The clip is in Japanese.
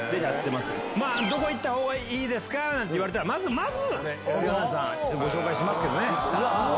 どこ行ったほうがいいですか？なんて言われたらまず菅乃屋さんご紹介しますね。